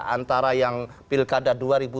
antara yang pilkada dua ribu tujuh belas